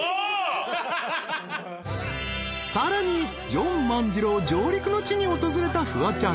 ［さらにジョン万次郎上陸之地に訪れたフワちゃん］